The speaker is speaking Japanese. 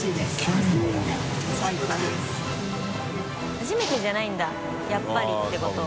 初めてじゃないんだ「やっぱり」ってことは。